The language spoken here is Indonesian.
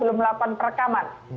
belum lapan perekaman